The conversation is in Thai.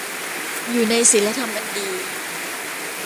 อยู่ในศีลธรรมอันดี